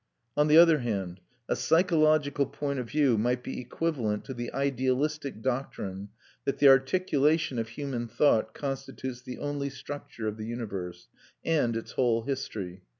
On the other hand, a psychological point of view might be equivalent to the idealistic doctrine that the articulation of human thought constitutes the only structure of the universe, and its whole history.